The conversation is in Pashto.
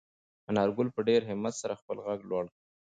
انارګل په ډېر همت سره خپل غږ لوړ کړ.